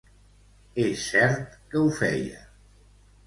És cert que ho feia.